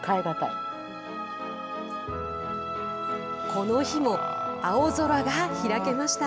この日も、青空が開けました。